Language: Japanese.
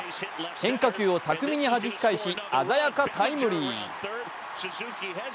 変化球を巧みにはじき返し鮮やかタイムリー。